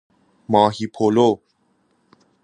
ماهی پلو